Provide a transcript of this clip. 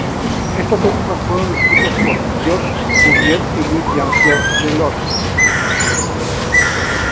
Estas últimas fueron descritas por Georges Cuvier y Louis Jean Pierre Vieillot.